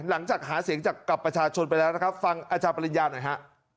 หลังจากหาเสียงจากกับประชาชนไปแล้วนะครับฟังอาจารย์ปริญญาหน่อยฮะ